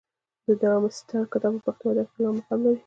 د ډارمستتر کتاب په پښتو ادب کښي لوړ مقام لري.